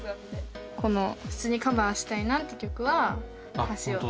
この普通にカバーしたいなって曲は歌詞を。